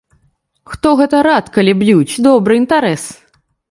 Хто гэта рад, калі б'юць, добры інтэрас!